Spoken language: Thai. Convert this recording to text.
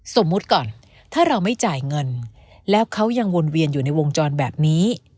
สมมุติก่อนถ้าเราไม่จ่ายเงินแล้วเขายังวนเวียนอยู่ในวงจรแบบนี้